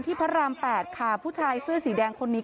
พระราม๘ค่ะผู้ชายเสื้อสีแดงคนนี้